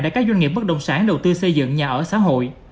để các doanh nghiệp bất động sản đầu tư xây dựng nhà ở xã hội